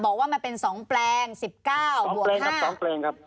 บอกว่ามันเป็น๒แปลง๑๙บวก๕